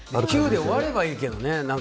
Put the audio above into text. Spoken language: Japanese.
９で終わればいいけどね。